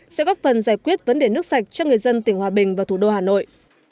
sẽ góp phần giải quyết vấn đề nước sạch cho người dân tỉnh hòa bình và thủ đô hà nội